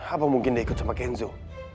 apa mungkin dia ikut sama kenzo